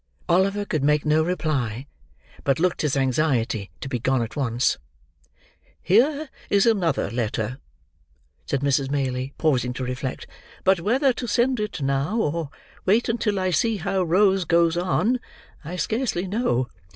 Oliver could make no reply, but looked his anxiety to be gone at once. "Here is another letter," said Mrs. Maylie, pausing to reflect; "but whether to send it now, or wait until I see how Rose goes on, I scarcely know.